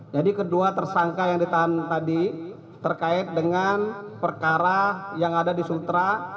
jadi kedua tersangka yang ditahan tadi terkait dengan perkara yang ada di sultra